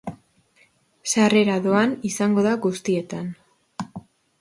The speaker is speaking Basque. Sarrera doan izango da guztietan.